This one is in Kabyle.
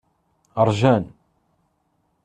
Ṛjan.